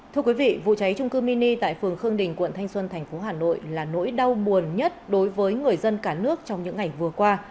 thưa quý vị vụ cháy trung cư mini tại phường khương đình quận thanh xuân thành phố hà nội là nỗi đau buồn nhất đối với người dân cả nước trong những ngày vừa qua